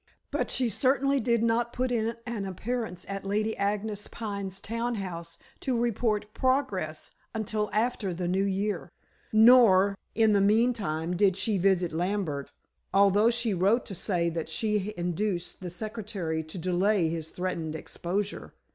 But she certainly did not put in an appearance at Lady Agnes Pine's town house to report progress until after the new year. Nor in the meantime did she visit Lambert, although she wrote to say that she induced the secretary to delay his threatened exposure.